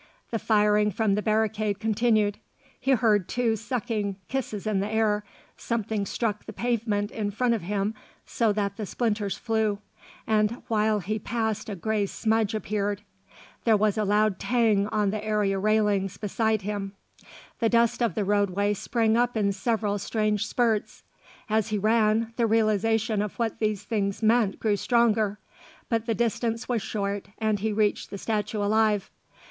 The firing from the barricade continued. He heard two sucking kisses in the air; something struck the pavement in front of him so that the splinters flew, and while he passed a grey smudge appeared; there was a loud tang on the area railings beside him; the dust of the roadway sprang up in several strange spurts. As he ran, the realisation of what these things meant grew stronger; but the distance was short and he reached the statue alive.